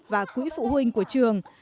và quỹ phụ huynh của trường